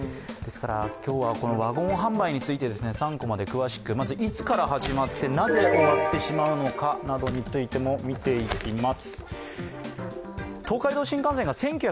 今日はワゴン販売について３コマで詳しく、いつから始まってなぜ終わってしまうのかなどについてもみていきます。